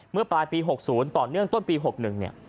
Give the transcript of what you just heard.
เมื่อปลายปี๖๐ต่อเนื่องต้นปี๖๑เนี่ย